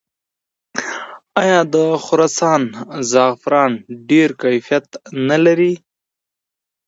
آیا د خراسان زعفران ډیر کیفیت نلري؟